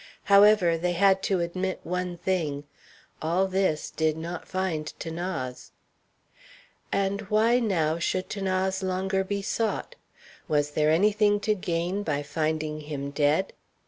However, they had to admit one thing: all this did not find 'Thanase. And why, now, should 'Thanase longer be sought? Was there any thing to gain by finding him dead?